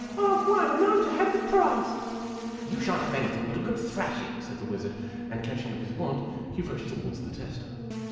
" I 've won, and I 'm to have the prize !' "You sha'n't have anything but a good thrashing!" said the wizard, and, catching up his wand, he rushed toward the tester.